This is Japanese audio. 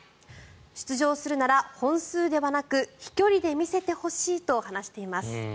出場するなら本数ではなく飛距離で見せてほしいと話しています。